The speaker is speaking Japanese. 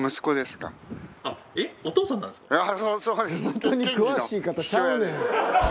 地元に詳しい方ちゃうねん。